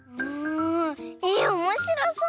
えおもしろそう！